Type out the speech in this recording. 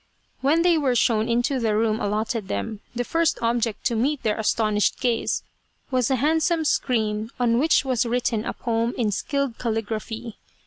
When they were shown into the room allotted them, the first object to meet their astonished gaze was a handsome screen on which was written a poem in skilled calligraphy.